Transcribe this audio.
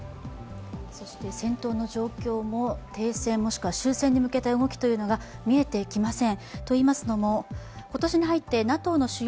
そして戦闘の状況も停戦、または終戦に向けた動きが見えてきません。